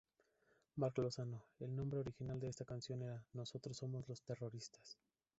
Marc Lozano: "El nombre original de esta canción era "Nosotros somos los terroristas".